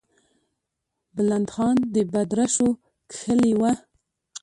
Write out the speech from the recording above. بلند خان د بدرشو کښلې وه.